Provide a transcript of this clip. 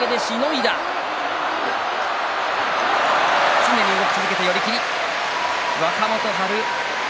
常に動き続けて寄り切り若元春。